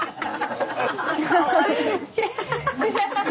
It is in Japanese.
かわいい。